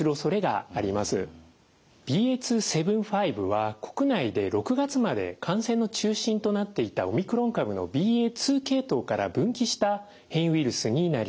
ＢＡ．２．７５は国内で６月まで感染の中心となっていたオミクロン株のＢＡ．２系統から分岐した変異ウイルスになります。